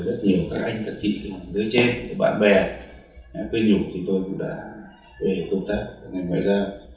rất nhiều các anh các chị các đứa trên các bạn bè quên nhục thì tôi cũng đã về công tác ở ngành ngoại giao